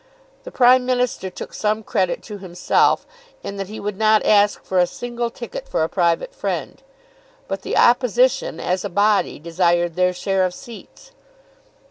The Prime Minister took some credit to himself in that he would not ask for a single ticket for a private friend. But the Opposition as a body desired their share of seats.